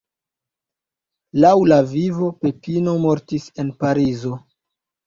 Laŭ la "Vivo", Pepino mortis en Parizo.